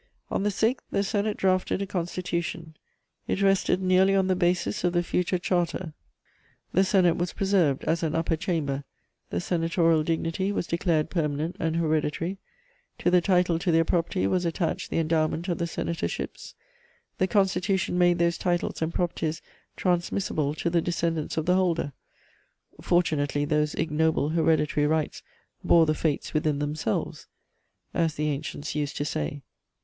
On the 6th, the Senate drafted a constitution: it rested nearly on the bases of the future Charter; the Senate was preserved as an Upper Chamber; the senatorial dignity was declared permanent and hereditary; to the title to their property was attached the endowment of the senatorships; the Constitution made those titles and properties transmissible to the descendants of the holder: fortunately, those ignoble hereditary rights bore the Fates within themselves, as the ancients used to say.